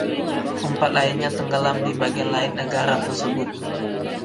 Empat lainnya tenggelam di bagian lain negara tersebut.